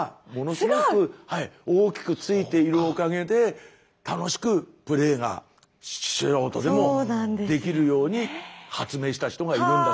すごい！大きくついているおかげで楽しくプレーが素人でもできるように発明した人がいるんだそうです。